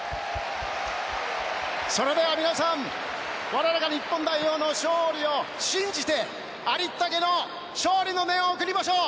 それでは皆さん我らが日本代表の勝利を信じてありったけの勝利の念を送りましょう！